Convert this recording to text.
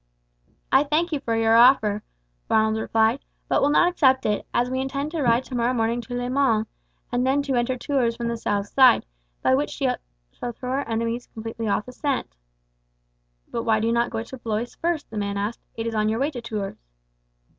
"I thank you for your offer," Ronald replied, "but will not accept it, as we intend to ride tomorrow morning to Le Mans, and then to enter Tours from the south side, by which we shall throw our enemies completely off the scent." "But why do you not go to Blois first?" the man asked. "It is on your way to Tours."